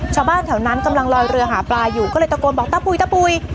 ชาวบ้านแถวนั้นกำลังลอยเรือหาปลาอยู่ก็เลยตะโกนบอกตาปุ๋ยตะปุ๋ย